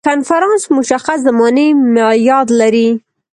کنفرانس مشخص زماني معیاد لري.